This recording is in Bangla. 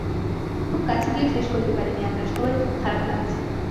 খুব কাছে গিয়েও শেষ করতে পারিনি আমরা, সবাই খুব খারাপ লাগছে।